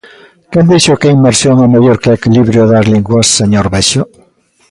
¿Quen dixo que a inmersión é mellor que o equilibrio das linguas, señor Bexo?